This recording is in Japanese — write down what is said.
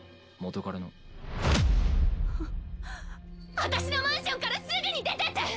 あたしのマンションからすぐに出てって！！